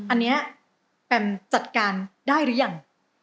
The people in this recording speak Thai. อันนี้แปมจัดการได้หรือยัง